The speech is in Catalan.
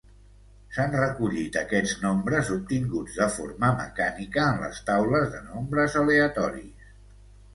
S'han recollit aquests nombres obtinguts de forma mecànica en les taules de nombres aleatoris.